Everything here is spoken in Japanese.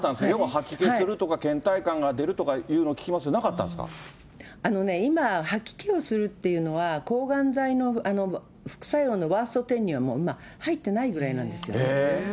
吐き気するとかけん怠感が出るとかいうの聞きますが、なかったんあのね、今、吐き気をするっていうのは、抗がん剤の副作用のワーストテンには、もう今、入ってないぐらいなんですよ。